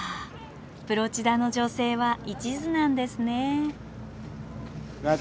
プロチダの女性はいちずなんですね。